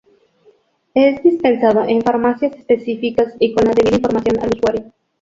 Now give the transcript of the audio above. Es dispensado en farmacias específicas y con la debida información al usuario.